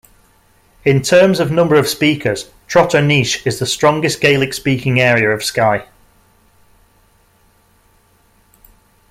In terms of number of speakers, Trotternish is the strongest Gaelic-speaking area of Skye.